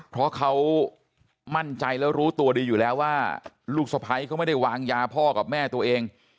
เพราะเขามั่นใจแล้วรู้ตัวดีอยู่แล้วว่าลูกสะพ้ายเขาไม่ได้วางยาพ่อกับแม่ตัวเอง